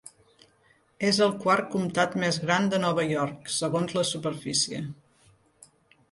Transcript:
És el quart comtat més gran de Nova York segons la superfície.